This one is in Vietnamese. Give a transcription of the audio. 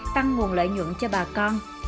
tăng nguồn lợi nhuận cho bà con